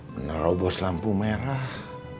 menerobos lampu merah